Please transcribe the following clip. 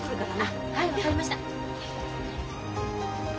あっはい分かりました。